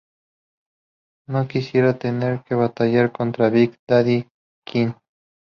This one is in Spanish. No quisiera tener que batallar contra Big Daddy Kane.